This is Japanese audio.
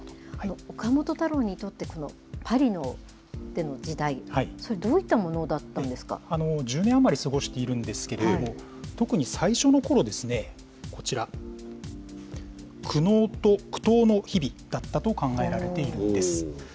岡本太郎にとって、このパリでの時代、それはどういったもの１０年余り過ごしているんですけれども、特に最初のころですね、こちら、苦悩と苦闘の日々だったと考えられているんです。